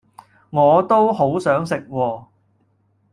我都好想食喎